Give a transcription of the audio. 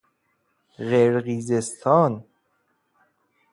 قرقیزستان